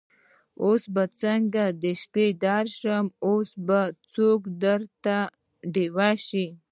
اوس به څنګه شپې ته درسم اوس به څوک درته ډېوه سي